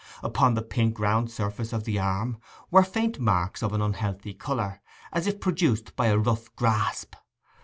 Upon the pink round surface of the arm were faint marks of an unhealthy colour, as if produced by a rough grasp.